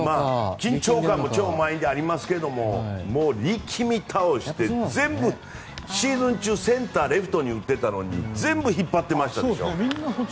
緊張感も超満員でありますけれども力み倒してシーズン中センター、レフトに打ってたのに全部引っ張ってましたでしょ。